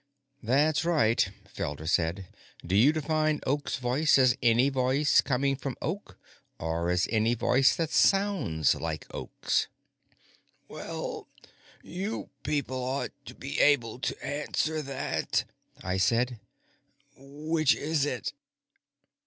"That's right," Felder said. "Do you define Oak's voice as any voice coming from Oak or as any voice that sounds like Oak's?" "Well, you people ought to be able to answer that," I said. "Which is it?"